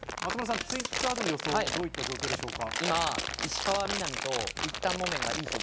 Ｔｗｉｔｔｅｒでの予想はどういった状況でしょうか。